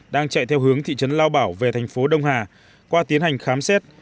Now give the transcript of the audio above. đang chạy theo hướng thị trấn lao bảo về thành phố đông hà qua tiến hành khám xét